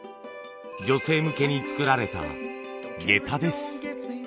女性向けに作られた下駄です。